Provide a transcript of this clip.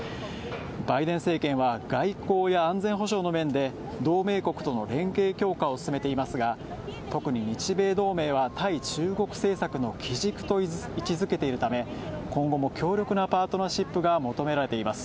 バイデン政権は外交や安全保障の面で同盟国との連携強化を進めていますが、特に日米同盟は対中国政策の機軸と位置づけているため、今後も強力なパートナーシップが求められています。